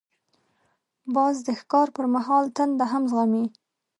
باز د ښکار پر مهال تنده هم زغمي